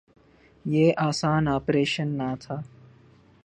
یہ آسان آپریشن نہ تھا۔